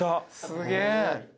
すげえ！